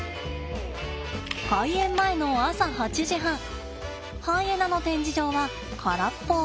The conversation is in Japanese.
開園前の朝８時半ハイエナの展示場は空っぽ。